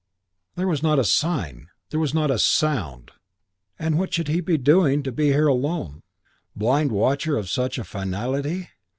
There was not a sign; there was not a sound; and what should he be doing to be alone here, blind watcher of such a finality?